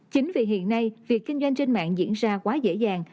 chính vì hiện nay việc kinh doanh trên mạng diễn ra quá dễ dàng